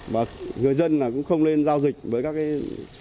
và người dân cũng không nên giao dịch với các cây atm